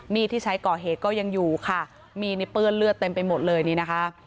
ที่ใช้ก่อเหตุก็ยังอยู่ค่ะมีดนี่เปื้อนเลือดเต็มไปหมดเลยนี่นะคะ